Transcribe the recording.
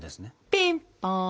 ピンポン！